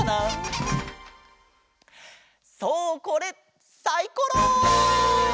そうこれサイコロ！